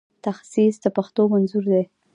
تخصیص د پیسو منظوري ده